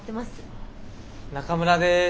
中村です。